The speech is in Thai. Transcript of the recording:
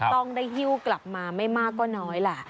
ต้องได้หิ้วกลับมาไม่มากก็น้อยล่ะ